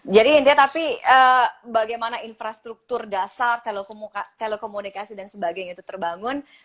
jadi intinya bagaimana infrastruktur dasar telekomunikasi dan sebagainya itu terbangun